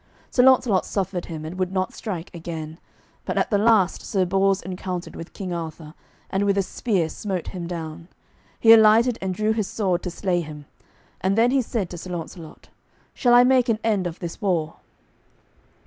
Sir Launcelot suffered him, and would not strike again; but at the last Sir Bors encountered with King Arthur, and with a spear smote him down. He alighted and drew his sword to slay him, and then he said to Sir Launcelot, "Shall I make an end of this war?"